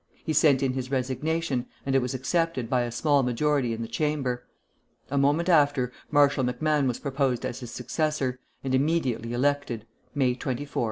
He sent in his resignation, and it was accepted by a small majority in the Chamber. A moment after, Marshal MacMahon was proposed as his successor, and immediately elected (May 24, 1873).